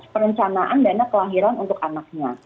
perencanaan dana kelahiran untuk anaknya